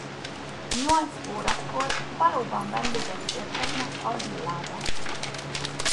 Nyolc órakor valóban vendégek érkeznek a villába.